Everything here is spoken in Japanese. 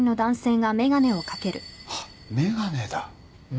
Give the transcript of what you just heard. あっ眼鏡だ。